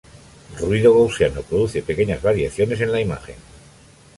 Ruido gaussiano: produce pequeñas variaciones en la imagen.